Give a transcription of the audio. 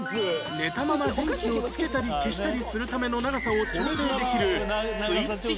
寝たまま電気をつけたり消したりするための長さを調整できるスイッチ紐があったり